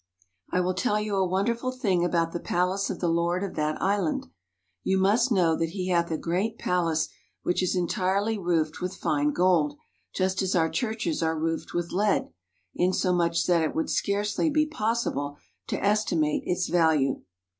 I will tell you a wonderful thing about the Palace of the Lord of that island. You must know that .he hath a great palace which is entirely roofed with fine gold, just as our churches are roofed with lead, insomuch that it would scarcely be possible to estimate its value.